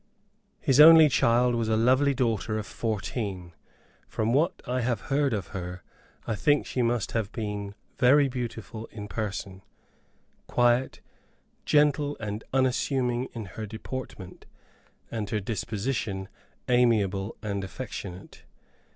His only child was a lovely daughter of fourteen. From what I have heard of her, I think she must have been very beautiful in person, quiet, gentle and unassuming in her deportment, and her disposition amiable and affectionate.